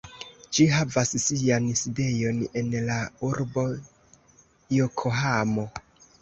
Ĝi havas sian sidejon en la urbo Jokohamo.